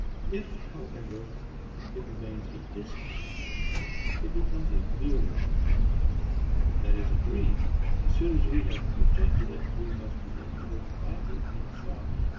If, however, it remains a distant end, it becomes a mere end, that is a dream. As soon as we have projected it, we must begin to work backward in thought.